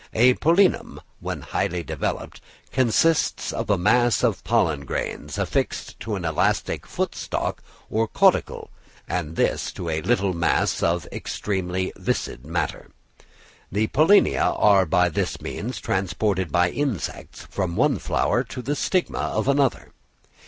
A pollinium, when highly developed, consists of a mass of pollen grains, affixed to an elastic foot stalk or caudicle, and this to a little mass of extremely viscid matter. The pollinia are by this means transported by insects from one flower to the stigma of another.